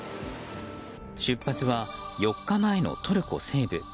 出発は４日前のトルコ西部。